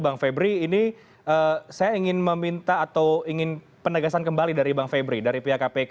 bang febri ini saya ingin meminta atau ingin penegasan kembali dari bang febri dari pihak kpk